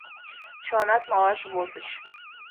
Чыланат малаш возыч.